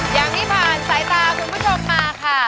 อย่างที่ผ่านสายตาคุณผู้ชมมาค่ะ